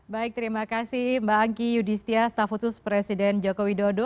baik terima kasih mbak angki yudhistia staf khusus presiden joko widodo